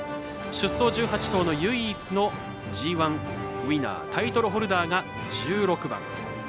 出走１８頭の唯一のＧＩウイナータイトルホルダーが１６番。